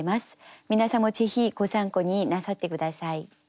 皆さんもぜひご参考になさって下さい。